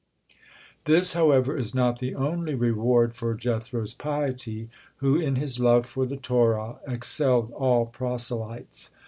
This, however, is not the only reward for Jethro's piety, who, in his love for the Torah, excelled all proselytes.